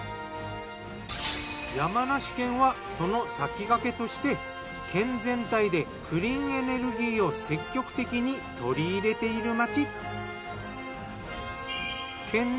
山梨県はその先駆けとして県全体でクリーンエネルギーを積極的に取り入れている町。